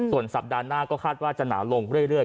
ส่วนสัปดาห์หน้าก็คาดว่าจะหนาวลงเรื่อย